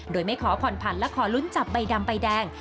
โดยไม่ขอผ่อนผันและขอลุ้นจับใบดำใบแดง